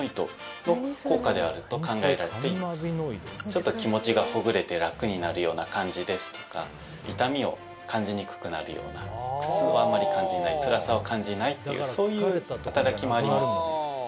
ちょっと気持ちがほぐれて楽になるような感じですとか痛みを感じにくくなるような苦痛をあんまり感じないつらさを感じないっていうそういう働きもあります